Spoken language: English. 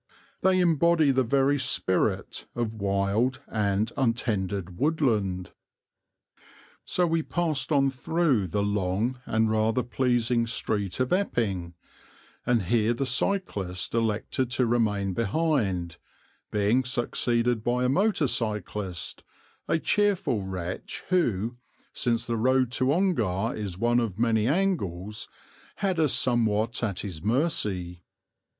They embody the very spirit of wild and untended woodland. So we passed on through the long and rather pleasing street of Epping, and here the cyclist elected to remain behind, being succeeded by a motor cyclist, a cheerful wretch who, since the road to Ongar is one of many angles, had us somewhat at his mercy.